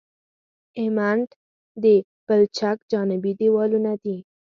ابټمنټ د پلچک جانبي دیوالونه دي